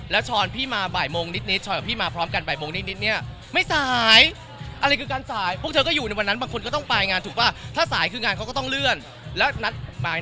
แล้วช้อนพี่มาบ่ายโมงนิด